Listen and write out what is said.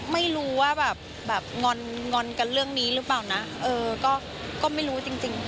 ไม่รู้ว่าแบบงอนงอนกันเรื่องนี้หรือเปล่านะเออก็ไม่รู้จริง